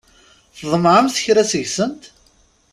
Tḍemɛemt kra seg-sen?